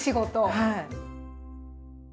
はい。